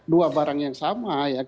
dua barang yang sama